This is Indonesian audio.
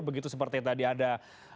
begitu seperti tadi ada